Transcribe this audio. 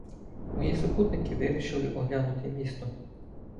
Мої супутники вирішили оглянути місто.